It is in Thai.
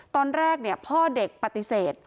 ตอนแรกพ่อเด็กปฏิเสธ